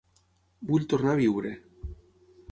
Vull tornar a viure.